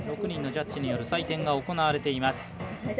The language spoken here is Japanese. ６人のジャッジによる採点が行われています。